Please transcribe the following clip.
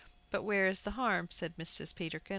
"But where is the harm?" asked Mrs. Peterkin.